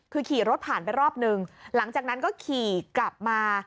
คือขี่รถผ่านไปรอบนึงหลังจากนั้นก็ขี่กลับมา